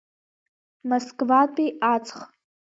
Москватәи аҵх.